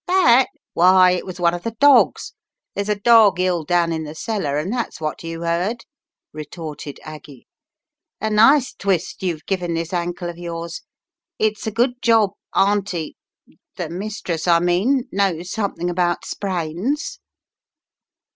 That? Why, it was one of the dogs. There's a dog ill down in the cellar and that's what you heard," retorted Aggie. "A nice twist you've given this ankle of yours. It's a good job; Auntie — the mistress — I mean, knows something about sprains."